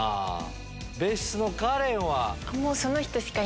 別室のカレンは？